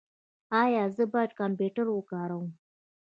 ایا زه باید کمپیوټر وکاروم؟